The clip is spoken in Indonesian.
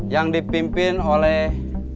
yang dipimpin oleh